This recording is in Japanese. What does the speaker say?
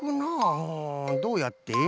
うんどうやって。